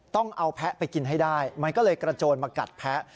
ต้องเอาแพะไปกินให้ได้มันก็เลยกระโจนมากัดแพะ